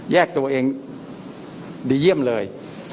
แยกตัวเองดีเยี่ยมเลย